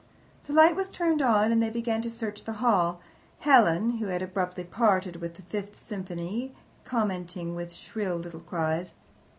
The light was turned on, and they began to search the hall, Helen, who had abruptly parted with the Fifth Symphony, commenting with shrill little cries.